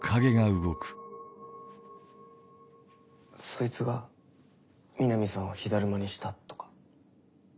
そいつが南さんを火だるまにしたとか。